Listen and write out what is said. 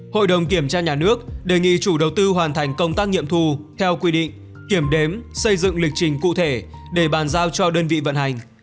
hội đồng kiểm tra nhà nước đề nghị chủ đầu tư hoàn thành công tác nghiệm thu theo quy định kiểm đếm xây dựng lịch trình cụ thể để bàn giao cho đơn vị vận hành